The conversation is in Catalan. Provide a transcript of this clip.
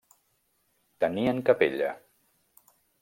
Tenien capella.